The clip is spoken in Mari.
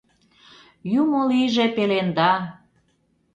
«Юмо лийже пеленда!»